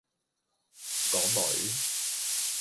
港女